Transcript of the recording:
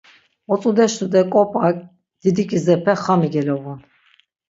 Otzudeş tude k̆op̆a, didi k̆izepe, xami gelobun.